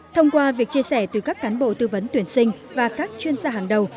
thông qua việc chia sẻ từ các cán bộ tư vấn tuyển sinh và các chuyên gia hàng đầu